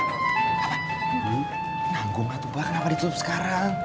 nanggung lah tuh pak kenapa ditutup sekarang